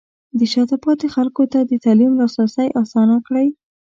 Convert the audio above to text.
د شاته پاتې خلکو ته د تعلیم لاسرسی اسانه کړئ.